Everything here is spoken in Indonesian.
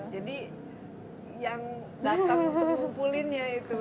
jadi yang datang untuk mengumpulinya itu